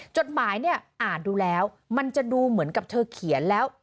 จดหมายเนี่ยอ่านดูแล้วมันจะดูเหมือนกับเธอเขียนแล้ว